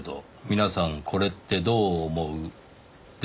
「皆さんこれってどう思う？」ですか。